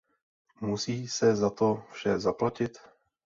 Musí se za to vše zaplatit?